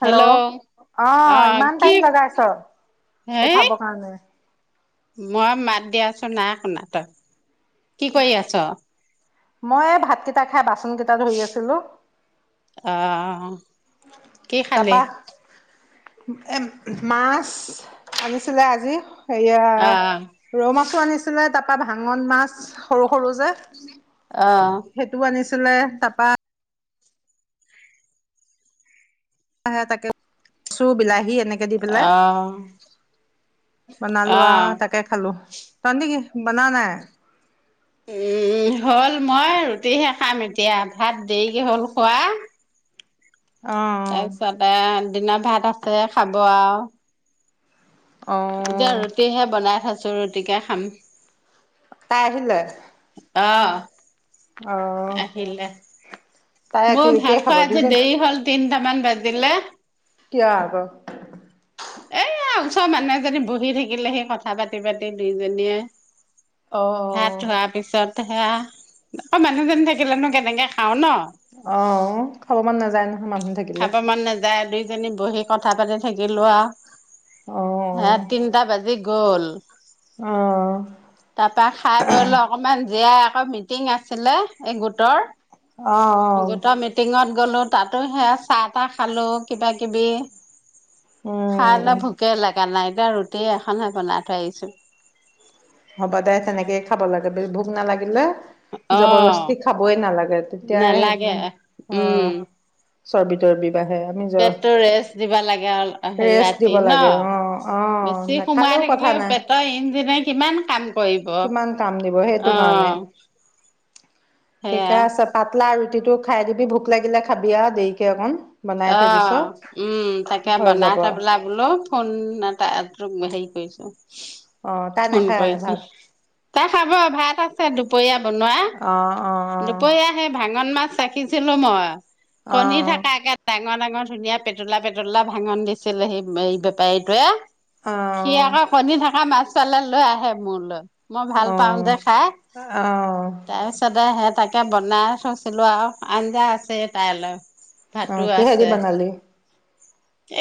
Hello! অঁ অ ইমান কি টাইম জগাইছ হেই উঠাব কাৰণে। মই মাত দি আছোঁ নাই শুনা তই। কি কৰি আছ? মই এই ভাতকেইটা খাই বাচন কেইটা ধুই আছিলোঁ। আহ। তাৰপা এ মাছ আনিছিলে আজি। সেয়া অ ৰৌ মাছো আনিছিলে তাৰপা ভাঙন মাছ সৰু-সৰু যে। অ! সেইটো আনিছিলে তাৰপা তাকে-তাকে কচু, বিলাহী এনেক কে দি পেলাই অ বনালো অ আৰু তাকে খালোঁ। তহঁতি কি বনাৱ নাই? উম হ'ল মই ৰুটিহে খাম এতিয়া ভাত দেৰিকে হ'ল খোৱা। অ তাৰপিছতে দিনৰ ভাত আছে খাব আৰু। অ অ এতিয়া ৰুটিহে বনাই আছোঁ ৰুটিকে খাম। তাই আহিলে? অ। অ। আহিলে, তাই মোৰ ৰুটিয়ে ভাত খাব খোৱা আজি দুইজনী দেৰি হ'ল তিনটামান বাজিলে। কিয় আকৌ? এয়া ওচৰৰ মানুহ এজনী বহি থাকিলে সি কথা পাতি পাতি দুইজনীয়ে। অ ভাত ধোৱাৰ পিছত সেয়া অক মানুহজনী থাকিলেনো কেনেকে খাওঁ ন। অ খাব মন নাযায় নো? খাব মন নাযায় দুইজনী বহি কথা পাতি থাকিলোঁ অ আৰু। হে তিনটা বাজি গ'ল। অ। তাপা খাই বৈ লৈ অকমান জীয়াই আকৌ মিটিং আছিলে এই গোটৰ। অ অ গোট মিটিঙত গ'লো তাতো শেয়া চাহ তাহ খালো কিবা কিবি খাইলে উম ভোকে লগা নাই এতিয়া ৰুতি তি এখনহে বনাই থৈ আহিছোঁ। হ'ব দে তেনেকেই খাব লাগে ভোক নালাগিলে। জবৰদস্তি অ খাবই নালাগে তেতিয়াই নালাগে আহ। উম চৰ্বি তৰবি বাহে। পেটটো ৰেষ্ট দিবা লাগে অ হেৰি ৰেষ্ট দিব ৰাতি ন লাগে অ অ বেছি সোমাই নাখালেও কথা থাকিলে নাই পেট ত ইঞ্জিনেই কিমান কাম কৰিব। কিমান কাম দিব সেইটো কাৰণে অ', সেয়া ঠিকে আছে পাটলা ৰুটিটো খাই দিবি ভোক লাগিলে খাবি আৰু দেৰিকে অকণ বনাই অ থৈ দিছ উম তাকে হৈ বনাই যাব থবলে বোলো ফোন এটা তোক হেৰি কৰিছে অ তাই ফোন নাখায় কৰিছো ভাত তাই খাব ভাত আছে দুপৰীয়া বনোৱা অ অ দুপৰীয়া সেই ভাঙন মাছ ৰাখিছিলো মই অ অ কণী থাকাকে ডাঙৰ ডাঙৰ ধুনীয়া পেটলা পেটলা ভাঙন দিছিলে সেই এই বেপাৰীটোৱে সি আকৌ কণী থাকা মাছ পালে লৈ আহে মোৰলৈ মই ভাল অ অ পাওঁ যে খাই অ তাৰপিছতে সেই তাকে বনাই থৈছিলোঁ আৰু আঞ্জা আছে তাইলৈ অ ভাতো কিহেদি আছে বনালি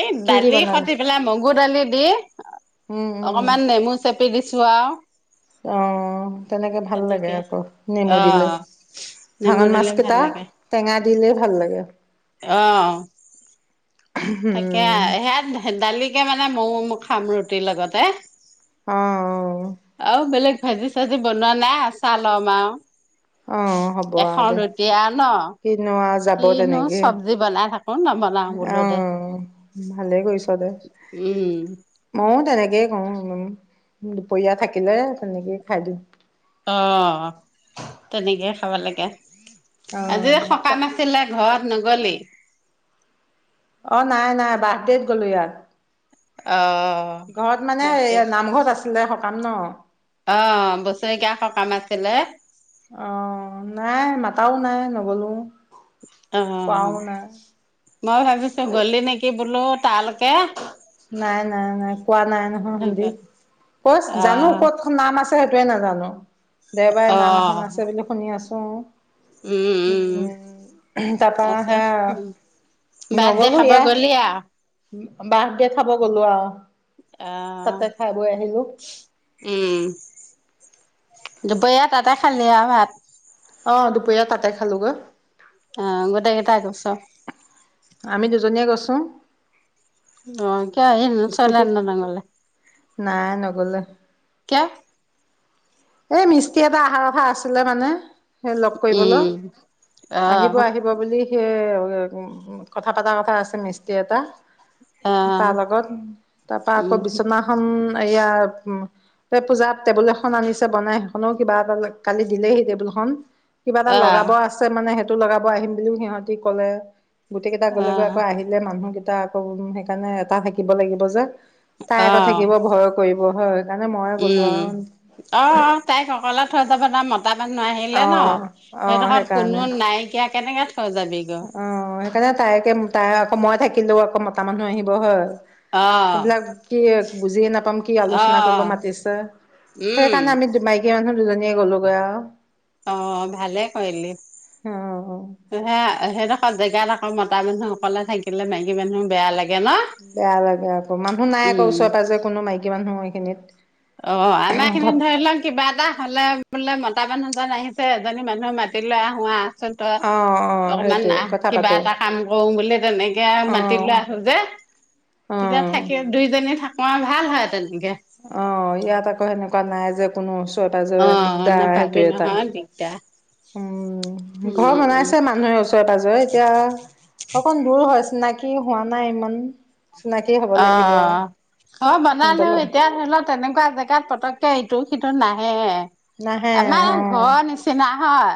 এই কি দি দালি বনালি খটি পেলাই মগু দালি দি উম অকমান নেমু চেপ পি দিছোঁ আৰু আহ তেনেকে ভাল লাগে আকৌ নেমু অ দিলে নেমু ভাঙন মাছ দিলে ভাল কেইটা লাগে টেঙা দিলেই ভাল লাগে অ তাকে উম সেয় সে দালিকে মানে মৌ খাম ৰুটিৰ লগতে অ অ অ আৰু বেলেগ ভাজি চাজি বনোৱা নাই আচাৰ লম আৰু অ এখন ৰুতিয়া ন সি নমাজ যাব কিনো তেনেকে চব্জি বনাই থাকো নবনাও অ, বোলো দে। ভালে কৰিছ দে। উম। ময়ো তেনেকেই কও উম, দুপৰীয়া থাকিলে তেনেকেই খাই দিওঁ। অ, তেনেকেই খাবা লাগে আজি অ', সকাম ছিলে ঘৰত ন'গলি। অ, নাই নাই বাৰ্থডেত গ'লো ইয়াত। অ'। ঘৰত মানে পাইছে। এইয়া নামঘৰত আছিলে সকাম ন? অ, বছৰেকীয়া সকাম আছিলে। অ, নাই মাতাও নাই নগ'লো। অ, কোৱাও নাই। মই ভাবিছো গ'লি নেকি বোলো তালকে। নাই নাই নাই কোৱা নাই নহয় হেন্দি কচ জানো অ' ক'ত এখন নাম আছে সেইটোৱে নাজানো দেওবাৰে নাম এখন অ' আছে বুলি শুনি আছো আৰু। উম। তাৰপা তাৰপিছত সেয়া বাৰ্থডে নগলো খাব এয়া গ'লি আৰু? বাৰ্থডেত খাব গ'লো আৰু অ' তাতে খাই বৈ আহিলো। উম, দুপৰীয়া তাতে খালি আৰু ভাত, অ, দুপৰীয়া তাতে খালোগৈ। অ, গোটেই কেইটা গৈচ'? আমি দুজনীয়ে গৈছোঁ। অ, স্কুটিত। [unintelligible] নাই নগলে ক্য়া? এই মিস্ত্ৰী এটা আহাৰ কথা আছিলে মানে সেই লগ কৰিবলৈও আহিব আহিব ব বুলি সেই উম, কথা পতা কথা আছে মিস্তি এটা। তাৰ লগত তাৰপা আকৌ বিচনা খন এয়া উম, এ পূজাত টেবুল এখন আনি বনাই সেইখনো কিবা এটা কালি দিলেহি টেবুলখন কিবা এটা লগাব আছে। ছে মানে সেইটো লগাব আহিম বুলিও সিহতি ক'লে গোটেই কেইটা গ'লে গৈ আকৌ আহি যে, মানুহকেইটা আকৌ সেইকাৰণে এটা থাকিব লাগিব যে তাই আকৌ থাকিব ভয় কৰিব হয়। সেইকাৰণে ময়ে গ'লো উম, আৰু অ, তাইক অকলে থৈ যাব তাৰ মা মানুহ আহিলে ন' অ', অ', সেইডোখৰত সেইকাৰণে কোনো নাইকিয়া কেনেকে থৈ যাবি গৈ। অ, সেইকাৰণে তাইকে তাই আকৌ মই থাকিলেও আকৌ মতা মানুহ আহিব হয়। অ সেইবিলাক কি বুজিয়ে নাপাম কি অ আলোচনা কৰিবা মাতিছে। উম সেইকাৰণে আমি মাইকী মানুহ দুজনীয়ে গ'লোগৈ আৰু। অ, ভালে কৰিলি। অ, অ। সেয়া সেইডোখ জেগাত আকৌ মতা মানুহ অকলে থাকিলে মাইকীৰ মানুহ বেয়া লাগে ন? বেয়া লাগে আকৌ মানুহ নাই আকৌ উম ওচৰে পাজৰে কোনো মাইকী মানুহ সেইখিনিত। অ, আমাৰ এইখিনিত ধৰি লওক কিবা এটা হ'লে বোলে মতা মানুহজন আহিছে এজনী মানুহ মাতি লৈ আহো আহচোন তই। অ', অকমান সেইটোৱে আহ কথা কিবা পাতো এটা কাম কৰো বুলি তেনেকে আৰু অ', মাতিলৈ আহো যে। তেতিয়া অ'। থাকি দুইজনী থাকো আৰু ভাল হয় তেনেকে। অ, ইয়াত আকৌ তেনেকুৱা নাই যে কোনো ওচৰে-পাজৰে দিগদাৰ সেইটো এটা। দিগদা। উম' ঘৰ বনাইছে মানুহে ওচৰে পাজৰে এতিয়া- অকণ দূৰ হয়, চিনাকি হোৱা নাই ইমান। চিনাকি হ'ব লাগিব আৰু অঁঅ ঘ সিহঁতৰ বনালেও লগত এতিয়া ধৰিলক- তেনেকুৱা জেগাত পতককে ইটো সিটো নাহে। নাহে আমাৰ ঘৰ নিচি- চিনা হয়।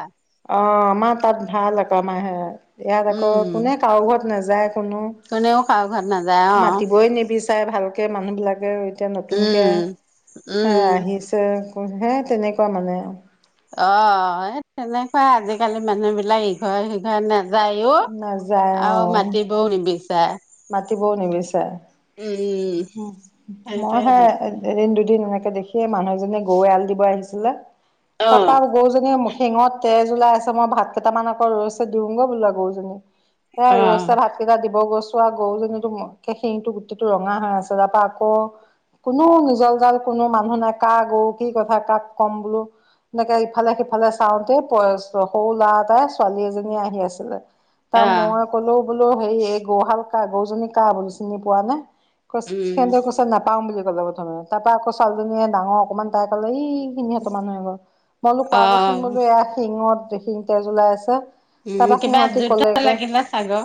অঁ আমাৰ তাত ভাল আকৌ আমাৰে সেয়াত, ইয়াত উম আকৌ কোনে কাৰো ঘৰত নাযায় কোনো। কোনেও কাৰো ঘৰত নাযায় অ'। মাতিবই নিবিচাৰে ভালকে মানুহ বিলাকে। এতিয়া উম, নতুনকে হে উম। আহিছে হে তেনেকুৱা মানে আৰু। অঅ এ তেনেকুৱাই আজিকালি মানুহ বিলাক ইঘৰে সিঘৰে নে- যায়ও নাযায় অ আৰু মাতিবও নিবিচাৰে। মাতিবও উম, নিবিচাৰে। সেইটোৱে মইহে- দিগদাৰ। এদিন দুদিন এনেকে দেখিয়ে মানুহ এজনীয়ে গৰু এয়াল দিব আহিছিলে। অ'। তাপা- গৰুজনীয়ে শিঙত তেজ ওলাই আছে মই ভাত কেইটামান আকৌ ৰৈছো দিওঁগে বোলে গৰুজনী। এয়া অ', ৰইছে ভাতকেইটা দিব গৈছো- চো ৱা গৰুজনী একে শিঙটো গোটেইটো ৰঙা হৈ আছে। তাপা আকৌ- কোনো নিজৰ জাল কোনো মানুহ নাই কা গৰু কি কথা কাক ক'ম বোলো? এনেকে ইফালে সিফালে চাওঁতেই সৰু ল'ৰা এটাই ছোৱালী এজনীয়ে আহি আছিলে। তা অ', মই কলো বোলো হেৰি এই গৰুহাল কা গৰুজনী কাৰ বোলো চিনি পোৱা নে? কছ উম, সিহঁতে কৈছে নাপাওঁ বুলি কলে প্ৰথমে, তাপা আকৌ ছোৱালীজনীয়ে ডাঙৰ অকমান তাই ক'লে এই- সিহঁত মানুহ এঘৰ, মই বোলো কোৱা গে চোন অ'। বোলো এয়া শিঙত শিং তেজ ওলাই আছে। উম, তাপা কিবা সিহঁতি যুদ্ধ কলে কৈ লাগিলে চাগৈ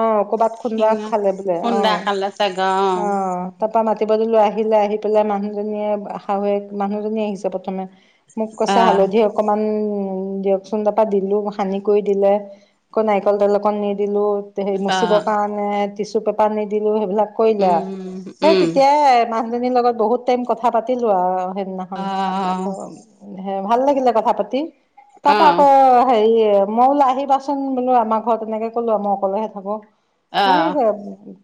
অঁ কবাত- বাঘ শিঙত। খালে বোলে অঁ খুন্দা অঁ। খালে চাগৈ অঁ তাপা মাতিব দিলো আহিলে আহি পেলাই মানুহজনীয়ে শাহুৱেক মানুহজনী আহিছে প্ৰথমে। মোক কৈছে অ', হালধি অকমান দিয়কচোন, তাপা দিলো সানি কৰি দিলে। কৌ নাৰিকল তেল অকণ নি দিলো। তে সেই অ', মুচিবৰ অ'। কাৰণে টিচু পেপাৰ নি দিলো সেইবিলাক কৰিলে আৰু উম, সেই উম, তেতিয়াই- মানুহজনীৰ লগত বহুত টাইম কথা পাতিলো আৰু সেইদিনাখন। অ', হে ভাল লাগিলে কথা পাতি তাপা অ', আকৌ হেৰি এ- মই বোলো আহিবা চোন বোলো আমাৰ ঘৰত তেনেকে ক'লো মই অকলেহে থাকো। অ'। এ অ',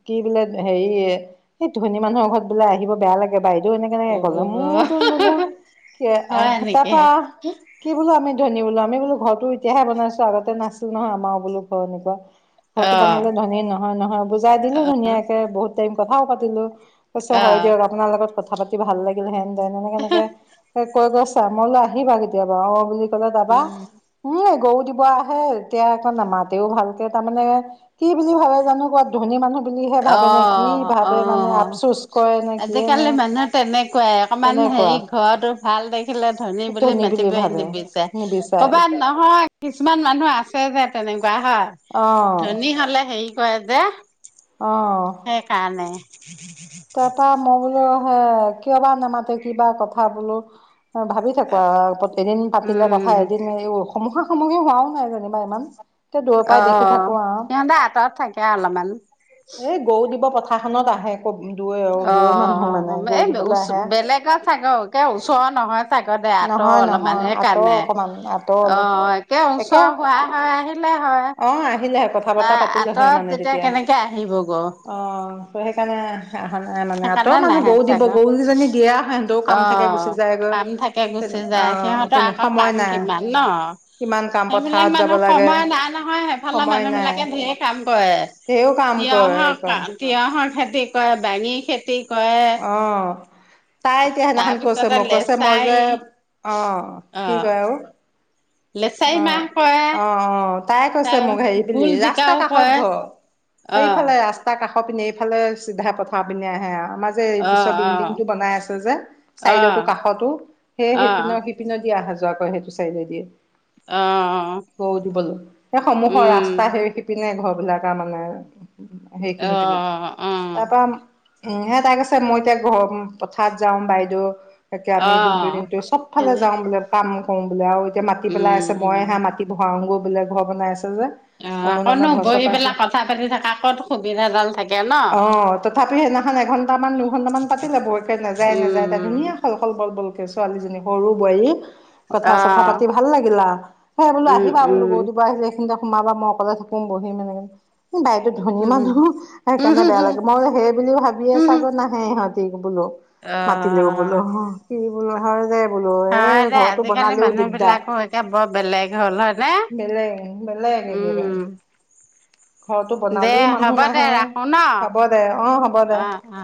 কি বোলে হেৰি সেই ধনী মানুহৰ ঘৰত বোলে আহিব বেয়া লাগ- গে বাইদেউও এনেকে এনেকে ক'লে, মোৰত বোলো কে হয় আঁহ নেকি? তাপা- কি বোলো আমি ধনী বোলো আমি বোলো ঘৰটো এতিয়াহে বনাইছো আগতে নাছিল নহয় আমাও বোলো ঘৰ এনেকুৱা- ঘটো অ', বনালে ধনী নহয় নহয়, বুজাই দিলো ধুনীয়াকে বহুত টাইম কথাও‌ঁ পাতিলো। কৈছে হয় অ', দিয়ক, আপোনাৰ লগত কথা পাতি ভাল লাগিল হেন তেন এনেকে এনেকে কৈ গৈছ- ছে, মই বোলো আহিবা কেতিয়াবা অ বুলি কলে তাৰপা- উম। উম' গৰু দিব আহে এতিয়া আকৌ নামাতেও ভালকে তাৰমানে কি বুলি ভাবে- ধনী মানুহ বুলিহে ভাবে নে কি অ', ভাবে মানে অ'। আফচোচ কৰে নে কিয়ে আজিকালি নে? মানুহ তেনেকুৱাই অকমান হেৰি তেনেকুৱা ঘৰতো ভাল দেখ- খিলে ধনী বুলি মাতিবই নিবিচাৰে। নিবিচাৰে কবান- নহয়, কিছুমান মানুহ আছে যে তেনেকুৱা অ হয়। ধনী হ'লে হেৰি- কয়ে যে- অঁ অঁ। সেইকাৰণে। তাপা মই বোলো হে কিয় বা নামাতে কিবা কথা বোলো? ভাবি থাকো আও এদিন পাতিলে কথা উম এদিন এই খমুশা সমুশি হোৱাওঁ নাই যেনিবা ইমান। তে দূৰৰ পৰাই অ দেখি থাকো আৰু সিহঁতে আঁতৰত থাকে অলপমান। এই গৰু দিব পথাৰখনত আহে। [inaudible] অ, অ, মানুহ মানে অ, অ, গৰু এই দিবলৈ ওচ আহে। বেলেগত চাগে একে ওচৰৰ নহয়। চাগতে আতৰ নহয় অলপমান নহয় আঁতৰ সেইকাৰণে অকমান আঁতৰ অলপ অঁ একে ওচৰ হোৱা হয় আহিলে হয়। অ আহিলে হয় কথা বতৰা তাই পাতিলে আঁতৰত যেতিয়া কেনেকে আহিব গৈ? অঁ ত' সেইকাৰণে আহা নাই মানে আঁৰত সেইকাৰণে মানুহ নাহে গৰু দিব চাগৈ গৰু কি জনী দিয়া সেইহেতু কাম থাকে গুচি যায়গৈ। সেই তেনে গুচি অ যায় সিহঁতৰ তেনে আকৌ সময় কাম নাই কিমান ন। কিমান কাম সেইবিলাক পথাৰত যাব মানুহ লাগে সময় নাই নহয় সেইফালে সময় মানুহ নাই বিলাকে ধেৰে কাম কৰে। ধেৰ কাম কৰে তিয়হৰ কা আকৌ তিয়হৰ খেতি কৰে বাঙি খেতিক অঁ। তাই এতিয়া সেইদিনাখন কৈছে তাৰপিছতে মোক কৈছে মই যে লেচাৰী অ অ কি কয় আৰু? লেচাৰী অ, মাহ কৰে অ, অ। তাই কৈছে তাৰ মোক হেৰি বুলি ভোল ৰাস্তা জিকাও কাষত কৰে ঘৰ অ সেইফালে ৰাস্তা কাষ পিনেই এই ফালে চিধা পথাৰ পিনে আহে আৰু। আমাৰ যে অ পিছৰ বিল্ডিংটো বনাই আছে যে অ অ চাইডতো কাষতো সেই অ সেইপিনৰ পিনে দিয়ে আহা যোৱা কৰে সেইটো চাইডৰ দিয়ে। অ অঁ। গৰু দিবলৈ সেই সমূহৰ ৰাস্তা সেই সিপিনে ঘৰ বিলাক আৰু মানে। অ সেইখিনি পিনে। অ তাৰ পাৰ উম হে তাক কৈছে মই এতিয়া ঘৰ পথাৰত যাওঁ বাইদেউ। তাকে অ আমি দিনতটো দিনটো চবফালে সেনে যাওঁ বোলে কাম কৰো বোলে আৰু এতিয়া মাতি পেলাই উম আছে মইয়ে উম হে মাটি ভৰাও গৈ বোলে ঘৰ বনাই আছে যে। অ অনুদানৰ আকৌনো ঘৰ চৰ বহি পাইছে পেলাই কথা পাতি থকা ক'ত সুবিধাডাল থাকে ন। অ তথাপি সেইদিনাখন এঘণ্টামান দুঘণ্টামান পাতিলে বৌকে নাযায় নাযায় তাই উম ধুনীয়া হ'ল। শল বল‌ বল বলকে ছোৱালীজনী সৰু বোৱাৰী কথা অ চথা পাতিব ভাল লাগিল আও। সেই বোলো উম আহিবা বোলো উম গৰু দিব আহিলে সেইখিনিতে সোমাবা মই অকলে থাকো বহিম এনেকে। এই বাইদেউ ধনী মানুহ, সেইকাৰণে বেয়া উম লাগে মই সেই বুলিওঁ ভাবিয়ে উম চাগৈ‌ নে এই ইহঁতে বোলো অ মাতিলেও বোলো, কি বোলো সেই যে বোলো এ ঘৰটো বনালেও দিগদাৰ। এতিয়া বৰ বেলেগ হ'ল। হয়নে বেলেগ, বেলেগ একেবাৰে। উম ঘৰতো দে বনালেও হ'ব মানুহ দে নাহে, ৰাখো ন হ'ব দে, অ', হ'ব দে। অ অ